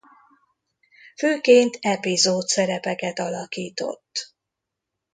Főként epizódszerepeket alakított.